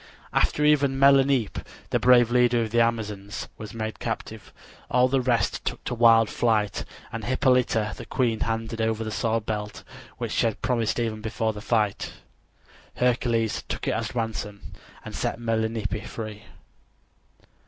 After even Melanippe, the brave leader of the Amazons, was made captive, all the rest took to wild flight, and Hippolyta the queen handed over the sword belt which she had promised even before the fight. Hercules took it as ransom and set Melanippe free.